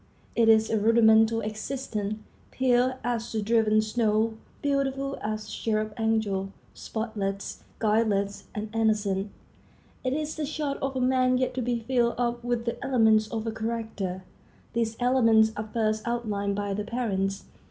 It is a rudimental existence, pure as the driven snow—beautiful as a cherub angel, spotless, guileless, and innocent. It is the chart of a man yet to be filled up with the elements of a character. These elements are first outlined by the parents.